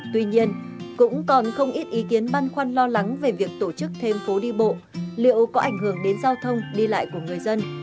tuy nhiên cũng còn không ít ý kiến băn khoăn lo lắng về việc tổ chức thêm phố đi bộ liệu có ảnh hưởng đến giao thông đi lại của người dân